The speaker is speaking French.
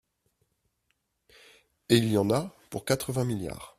Et il y en a pour quatre-vingts milliards